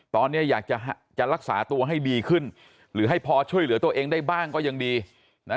ตอนนี้อยากจะรักษาตัวให้ดีขึ้นหรือให้พอช่วยเหลือตัวเองได้บ้างก็ยังดีนะ